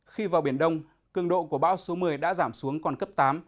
khi vào biển đông cường độ của bão số một mươi đã giảm xuống còn cấp tám